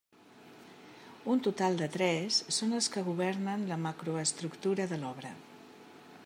Un total de tres són els que governen la macroestructura de l'obra.